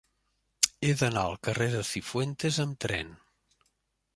He d'anar al carrer de Cifuentes amb tren.